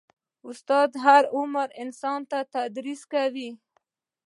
استاد د هر عمر انسان ته تدریس کوي.